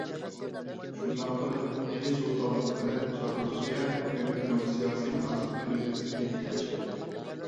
شۇنداق قىلىپ، ئىلى سۇلتانلىقى بىلەن چار رۇسىيە ھۆكۈمىتىنىڭ سىياسىي مۇناسىۋىتى ئۈزلۈكسىز جىددىيلەشتى.